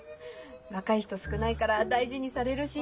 若い人少ないから大事にされるし。